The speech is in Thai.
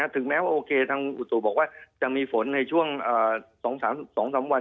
ถึงแม้ว่าโอเคทางอุตุบอกว่าจะมีฝนในช่วง๒๓๒๓วัน